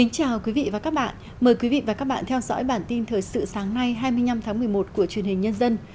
chào mừng quý vị đến với bản tin thời sự sáng nay hai mươi năm tháng một mươi một của truyền hình nhân dân